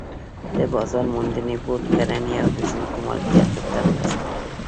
د بازار موندنې بورډ کړنې او د ځمکو مالکیت دلته مرسته کوي.